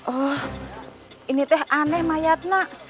oh ini teh aneh mayat nak